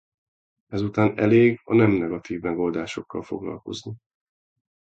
Ezután elég a nem negatív megoldásokkal foglalkozni.